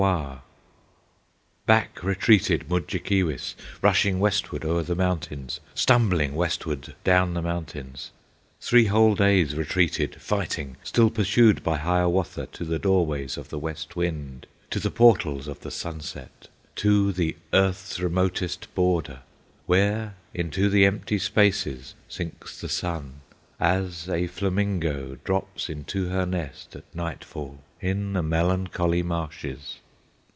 Back retreated Mudjekeewis, Rushing westward o'er the mountains, Stumbling westward down the mountains, Three whole days retreated fighting, Still pursued by Hiawatha To the doorways of the West Wind, To the portals of the Sunset, To the earth's remotest border, Where into the empty spaces Sinks the sun, as a flamingo Drops into her nest at nightfall In the melancholy marshes.